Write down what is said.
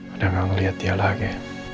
ada yang ngeliat dia lagi